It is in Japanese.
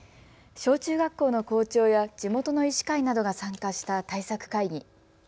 小中学校の校長や地元の医師会などが参加した対策会議。